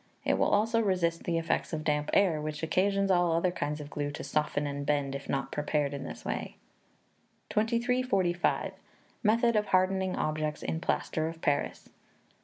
It will also resist the effects of damp air, which occasions all other kinds of glue to soften and bend if not prepared in this way. 2345. Method of Hardening Objects in Plaster of Paris.